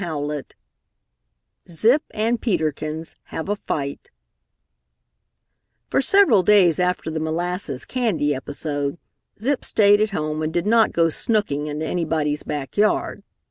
CHAPTER IX ZIP AND PETER KINS HAVE A FIGHT For several days after the molasses candy episode, Zip stayed at home and did not go snooking into anybody's back yard.